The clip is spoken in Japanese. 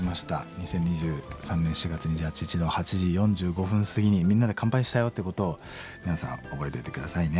２０２３年４月２８日の８時４５分過ぎにみんなで乾杯したよってことを皆さん覚えといて下さいね。